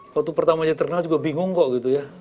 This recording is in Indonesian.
waktu pertama aja terkenal juga bingung kok gitu ya